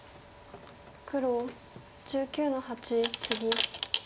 黒１９の八ツギ。